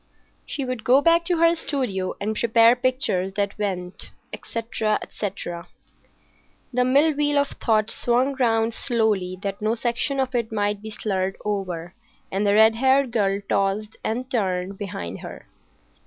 She would go back to her studio and prepare pictures that went, etc., etc. The mill wheel of thought swung round slowly, that no section of it might be slurred over, and the red haired girl tossed and turned behind her.